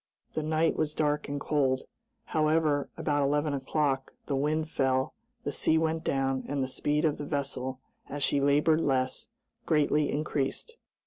The night was dark and cold. However, about eleven o'clock, the wind fell, the sea went down, and the speed of the vessel, as she labored less, greatly increased.